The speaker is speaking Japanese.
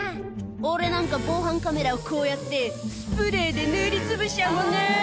「俺なんか防犯カメラをこうやってスプレーで塗りつぶしちゃうもんね」